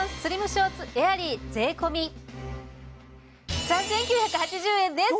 ショーツエアリー税込３９８０円です！